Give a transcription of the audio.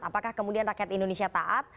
apakah kemudian rakyat indonesia taat